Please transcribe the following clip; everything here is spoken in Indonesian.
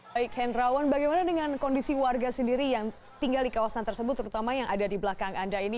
baik henrawan bagaimana dengan kondisi warga sendiri yang tinggal di kawasan tersebut terutama yang ada di belakang anda ini